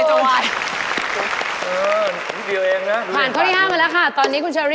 โอ้ยนี่เคยกินอร่อยชอบ